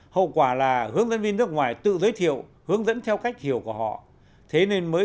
hậu quả là hướng dẫn viên nước ngoài tự giới thiệu hướng dẫn theo cách hiểu của họ thế nên mới